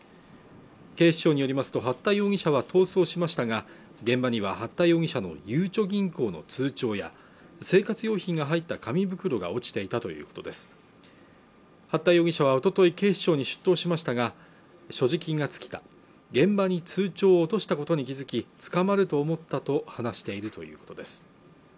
警視庁によりますと八田容疑者は逃走しましたが現場には八田容疑者のゆうちょ銀行の通帳や生活用品が入った紙袋が落ちていたということです八田容疑者はおととい警視庁に出頭しましたが所持金が尽きた現場に通帳を落としたことに気付き捕まると思ったと話しているということです